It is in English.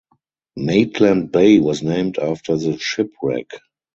Maitland Bay was named after the shipwreck.